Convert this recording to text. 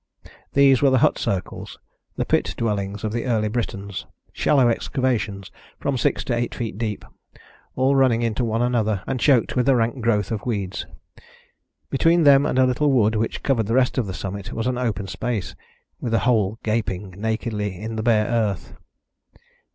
These were the hut circles the pit dwellings of the early Britons, shallow excavations from six to eight feet deep, all running into one another, and choked with a rank growth of weeds. Between them and a little wood which covered the rest of the summit was an open space, with a hole gaping nakedly in the bare earth.